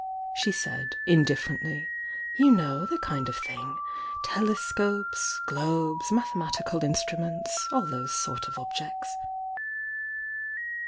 she said, in differently. "You know the kind of thing! Tele scopes, globes, mathematical instruments — all those sort of objects."